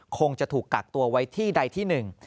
คงจะถูกกักตัวไว้ที่ใดที่หนึ่ง